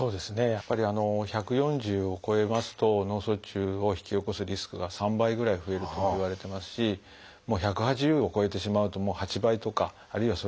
やっぱり１４０を超えますと脳卒中を引き起こすリスクが３倍ぐらい増えるといわれてますし１８０を超えてしまうと８倍とかあるいはそれ以上ともいわれています。